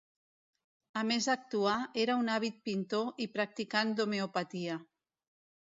A més d'actuar, era un àvid pintor i practicant d'homeopatia.